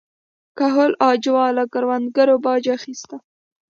کهول اجاو له کروندګرو باج اخیسته.